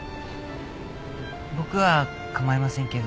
僕はかまいませんけど。